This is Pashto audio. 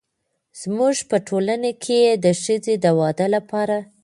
زموږ په ټولنه کې د ښځې د واده لپاره